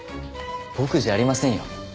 僕じゃありませんよ。